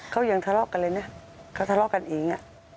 เขายังทะเลาะกันเลยนะเขาทะเลาะกันเอง